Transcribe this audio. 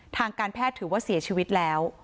ทางการแพทย์ถือว่าเสียชีวิตแล้ว